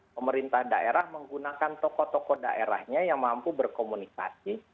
pemerintah daerah menggunakan tokoh tokoh daerahnya yang mampu berkomunikasi